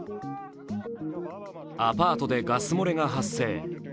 アパートでガス漏れが発生。